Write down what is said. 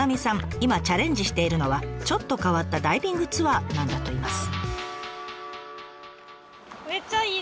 今チャレンジしているのはちょっと変わったダイビングツアーなんだといいます。